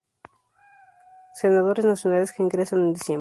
Senadores Nacionales que ingresan en diciembre.